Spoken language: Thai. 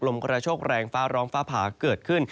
กระโชคแรงฟ้าร้องฟ้าผ่าเกิดขึ้น